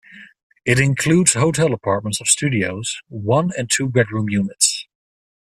It includes hotel apartments of studios, one and two bedroom units.